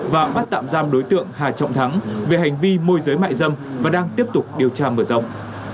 và bắt tạm giam đối tượng hà trọng thắng về hành vi môi giới mại dâm và đang tiếp tục điều tra mở rộng